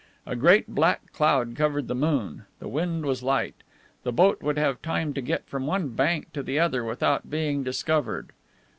A great black cloud covered the moon; the wind was light. The boat would have time to get from one bank to the other without being discovered.